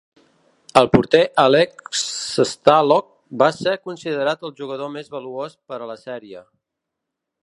El porter Alex Stalock va ser considerat el jugador més valuós per a la sèrie.